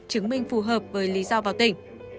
chứng minh phù hợp với lý do vào tỉnh